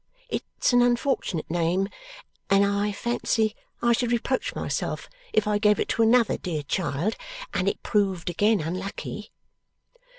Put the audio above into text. It's an unfortunate name, and I fancy I should reproach myself if I gave it to another dear child, and it proved again unlucky.